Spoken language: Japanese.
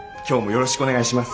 よろしくお願いします。